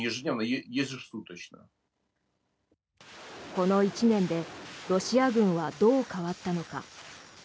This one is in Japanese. この１年でロシア軍はどう変わったのか。